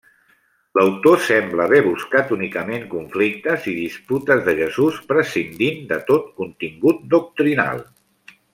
L'autor sembla haver buscat únicament conflictes i disputes de Jesús, prescindint de tot contingut doctrinal.